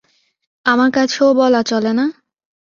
আমার কাছেও বলা চলে না?